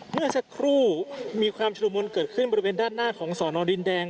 เมื่อสักครู่มีความชุดละมุนเกิดขึ้นบริเวณด้านหน้าของสอนอดินแดง